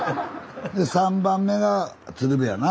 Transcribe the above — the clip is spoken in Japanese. で３番目が鶴瓶やな？